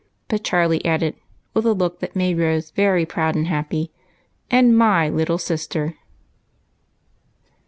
But Charlie added, with a look that made Roses very ' proud and happy, " And my little sister."